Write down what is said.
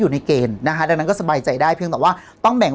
อยู่ในเกณฑ์นะคะดังนั้นก็สบายใจได้เพียงแต่ว่าต้องแบ่ง